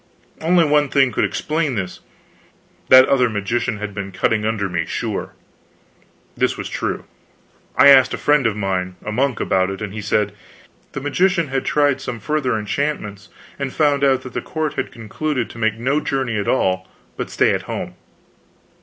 Only one thing could explain this: that other magician had been cutting under me, sure. This was true. I asked a friend of mine, a monk, about it, and he said, yes, the magician had tried some further enchantments and found out that the court had concluded to make no journey at all, but stay at home.